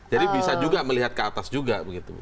jadi bisa juga melihat ke atas juga begitu